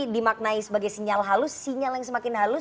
dimaknai sebagai sinyal halus sinyal yang semakin halus